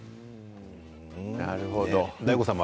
なるほど。